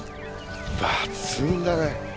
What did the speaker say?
抜群だね！